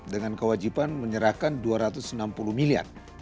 dengan kewajiban menyerahkan dua ratus enam puluh miliar